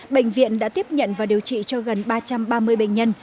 bệnh viện đã tiếp nhận và điều trị cho gần ba trăm ba mươi bệnh nhân